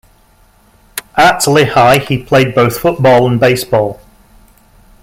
At Lehigh, he played both football and baseball.